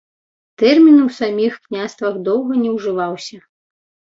Тэрмін у саміх княствах доўга не ўжываўся.